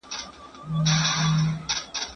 زه به سبا لوبه وکړم!